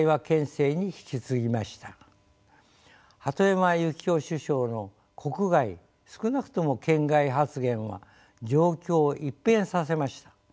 鳩山由紀夫首相の「国外少なくとも県外」発言は状況を一変させました。